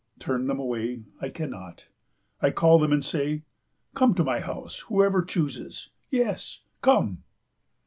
Turn them away I cannot. I call them and say, "Come to my house whoever chooses. Yes, come."